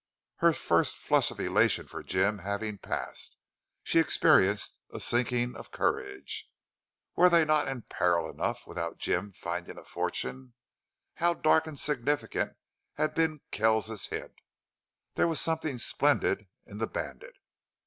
Her first flush of elation for Jim having passed, she experienced a sinking of courage. Were they not in peril enough without Jim's finding a fortune? How dark and significant had been Kells's hint! There was something splendid in the bandit.